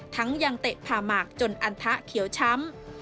ยังเตะผ่าหมากจนอันทะเขียวช้ำ